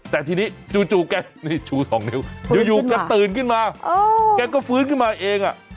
แต่ทีนี้จู่แกนี่ชู๒นิ้วอยู่แกตื่นขึ้นมาแกก็ฟื้นขึ้นมาเอง